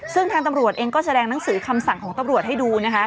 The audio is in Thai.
ซึ่งทางตำรวจเองก็แสดงหนังสือคำสั่งของตำรวจให้ดูนะคะ